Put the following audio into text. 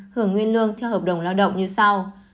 hưởng nguyên lương theo hợp đồng lao động như sau